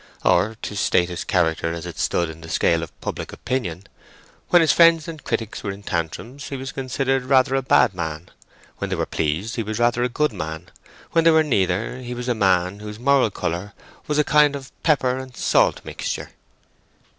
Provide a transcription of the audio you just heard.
Or, to state his character as it stood in the scale of public opinion, when his friends and critics were in tantrums, he was considered rather a bad man; when they were pleased, he was rather a good man; when they were neither, he was a man whose moral colour was a kind of pepper and salt mixture.